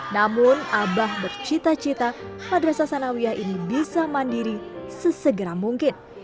namun abah bercita cita madrasah sanawiah ini bisa mandiri sesegera mungkin